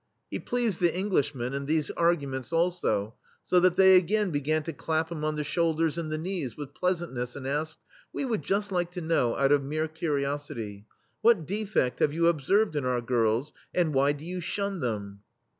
He pleased the Englishmen in these arguments, also, so that they again be gan to clap him on the shoulders and the knees, with pleasantness, and asked : "We would just like to know, out of mere curiosity : what defedt have you observed in our girls, and why do you shun them?"